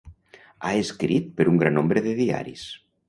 Ha escrit per un gran nombre de diaris.